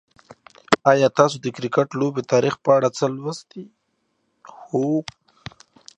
آیا تاسو د کرکټ د لوبې د تاریخ په اړه څه لوستي؟